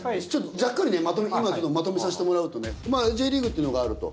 ざっくりまとめさせてもらうとねＪリーグっていうのがあると。